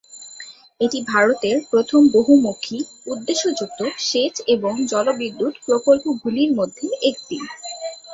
এটি ভারতের প্রথম বহুমুখী-উদ্দেশ্য যুক্ত সেচ এবং জলবিদ্যুৎ প্রকল্পগুলির মধ্যে একটি।